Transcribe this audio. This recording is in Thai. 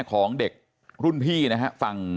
แม่ก็ไม่ได้เผชิญเลยอ่ะค่ะ